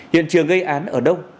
hiện trường gây án ở đâu